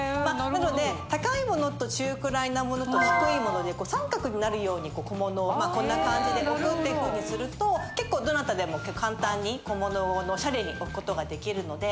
なので高いものと中くらいなものと低いもので三角になるように小物をまあこんな感じで置くっていうふうにすると結構どなたでも簡単に小物をオシャレに置くことができるので。